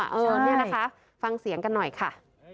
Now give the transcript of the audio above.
เออเนี่ยนะคะฟังเสียงกันหน่อยค่ะ